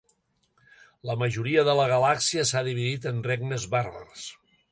La majoria de la galàxia s'ha dividit en regnes bàrbars.